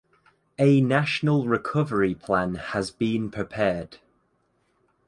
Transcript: A National Recovery Plan has been prepared.